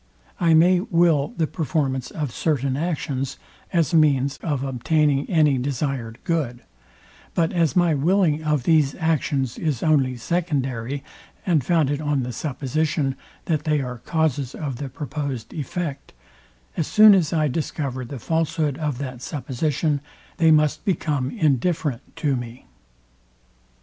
I may will the performance of certain actions as means of obtaining any desired good; but as my willing of these actions is only secondary, and founded on the supposition, that they are causes of the proposed effect; as soon as I discover the falshood of that supposition, they must become indifferent to me.